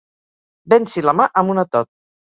Venci la mà amb un atot.